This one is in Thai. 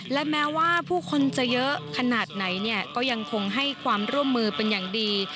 และแม้ว่าผู้คนจะเยอะขนาดไหนเนี่ยก็ยังคงให้ความร่วมมือเป็นอย่างดี